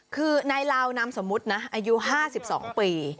คือนายเรานำสมมุตินะอายู๕๒ปี